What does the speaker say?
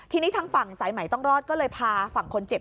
ทีนี้ทางฝั่งสายใหม่ต้องรอดก็เลยพาฝั่งคนเจ็บ